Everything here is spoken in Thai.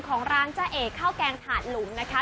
ของร้านจ้าเอกข้าวแกงถาดหลุมนะคะ